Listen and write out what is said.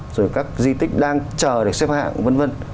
rồi các di tích đang chờ để xếp hạng v v